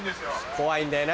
怖いんだよな